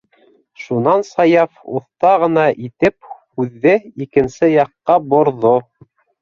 Шунан Саяф оҫта ғына итеп һүҙҙе икенсе яҡҡа борҙо.